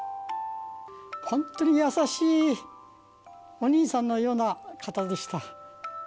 本当に優しいお兄さんのような方でした。